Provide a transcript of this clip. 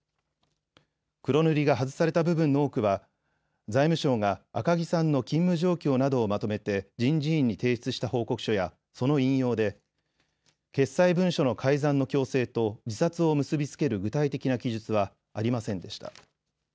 黒塗りが外された部分の多くは財務省が赤木さんの勤務状況などをまとめて人事院に提出した報告書やその引用で決裁文書の改ざんの強制と自殺を結び付ける具体的な記述はありませんでした。